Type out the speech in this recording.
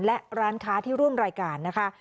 และร้านค้าที่ร่วมรายการนะคะ